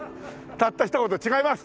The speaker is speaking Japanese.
たった一言「違います」！